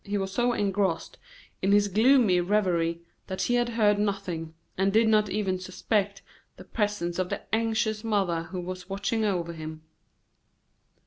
He was so engrossed in his gloomy revery that he had heard nothing, and did not even suspect the presence of the anxious mother who was watching over him.